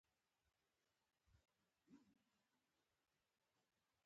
ازادي راډیو د اټومي انرژي په اړه د ولسي جرګې نظرونه شریک کړي.